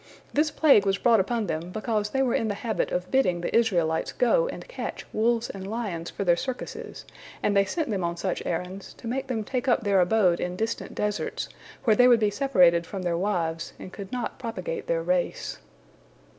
This plague was brought upon them because they were in the habit of bidding the Israelites go and catch wolves and lions for their circuses, and they sent them on such errands, to make them take up their abode in distant deserts, where they would be separated from their wives, and could not propagate their race.